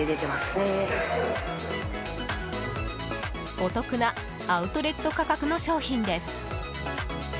お得なアウトレット価格の商品です。